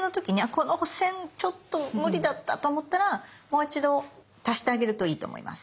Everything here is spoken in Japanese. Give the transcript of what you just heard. この線ちょっと無理だったと思ったらもう一度足してあげるといいと思います。